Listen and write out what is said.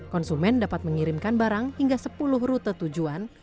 konsumen dapat mengirimkan barang hingga sepuluh rute tujuan